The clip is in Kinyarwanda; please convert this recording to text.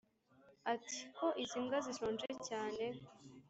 ati: "ko izi mbwa zishonje cyane,